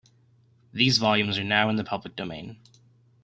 These volumes are now in the public domain.